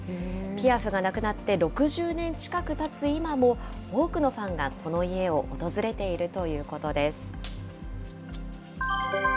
ピアフが亡くなって６０年近くたつ今も、多くのファンがこの家を訪れているということです。